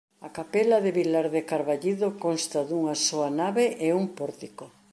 A capela de Vilar de Carballido consta dunha soa nave e un pórtico.